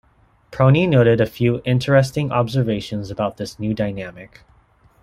Prony noted a few interesting observations about this new dynamic.